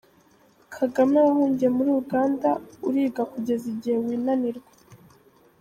Kagame wahungiye muri Uganda, uriga kugeza igihe winanirwa.